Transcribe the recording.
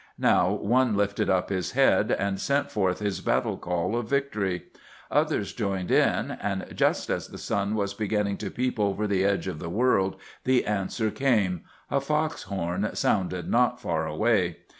Now one lifted up his head, and sent forth his battle call of victory. Others joined in, and just as the sun was beginning to peep over the edge of the world the answer came—a fox horn sounded not far away.